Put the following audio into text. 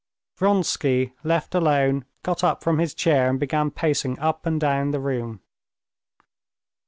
Vronsky, left alone, got up from his chair and began pacing up and down the room.